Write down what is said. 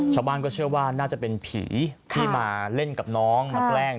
ชาวบ้านก็เชื่อว่าน่าจะเป็นผีที่มาเล่นกับน้องมาแกล้ง